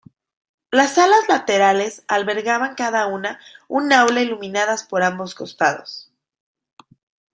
Las alas laterales albergaban cada una un aula, iluminadas por ambos costados.